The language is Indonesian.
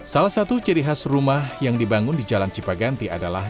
salah satu ciri khas rumah yang dibangun di jalan cipaganti adalah